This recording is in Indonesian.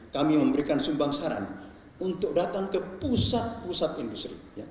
kami memberikan sumbang saran untuk datang ke pusat pusat industri